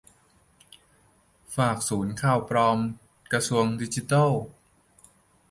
ฝากศูนย์ข่าวปลอมกระทรวงดิจิทัล